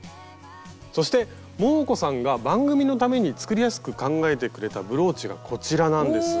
そしてモー子さんが番組のために作りやすく考えてくれたブローチがこちらなんです。